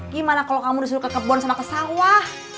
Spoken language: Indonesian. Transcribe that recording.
gimana kalau kamu disuruh ke kebun sama ke sawah